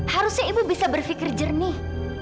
harusnya ibu bisa berpikir jernih